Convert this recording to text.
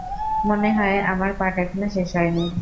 মনে হয় আমার পাঠ এখনো শেষ হয়নি!